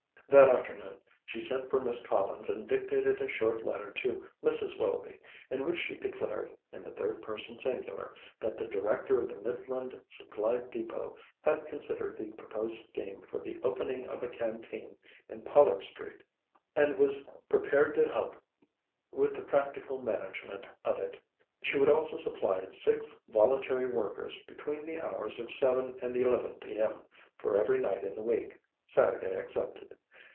That afternoon she sent for Miss Collins and dictated a short letter to Mrs. Willoughby, in which she declared, in the third person singular, that the Director of the Midland Supply Depôt had considered the proposed scheme for the opening of a Canteen in Pollard Street, and was prepared to help with the practical management of it. She would also supply six voluntary workers between the hours of 7 and 11 P.M. for every night in the week, Saturday excepted.